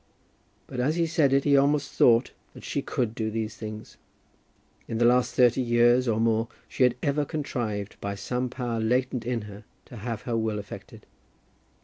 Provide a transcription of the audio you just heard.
But as he said it, he almost thought that she could do these things. In the last thirty years, or more, she had ever contrived by some power latent in her to have her will effected.